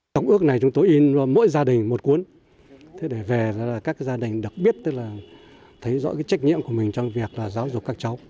tổng ước này chúng tôi in vào mỗi gia đình một cuốn để về các gia đình được biết thấy rõ trách nhiệm của mình trong việc giáo dục các cháu